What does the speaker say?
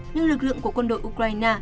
nhưng lực lượng của quân đội ukraine